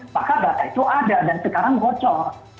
maka data itu ada dan sekarang bocor